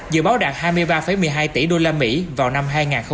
dự báo đạt hai mươi ba một mươi hai tỷ usd vào năm hai nghìn hai mươi